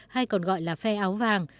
hay còn gọi là phe áo vàng